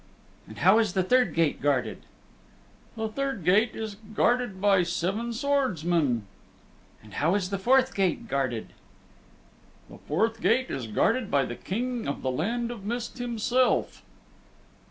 "And how is the third gate guarded?" "The third gate is guarded by seven swordsmen." "And how is the fourth gate guarded?" "The fourth gate is guarded by the King of the Land of Mist himself."